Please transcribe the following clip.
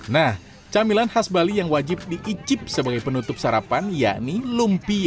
nah camilan khas bali yang wajib diicip sebagai penutup sarapan yakni lumpiade